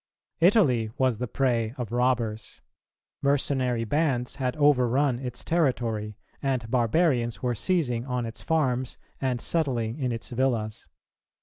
Italy was the prey of robbers; mercenary bands had overrun its territory, and barbarians were seizing on its farms and settling in its villas.